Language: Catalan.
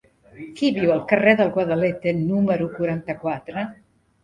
Qui viu al carrer del Guadalete número quaranta-quatre?